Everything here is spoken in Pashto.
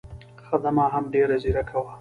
خدمه هم ډېره ځیرکه وه.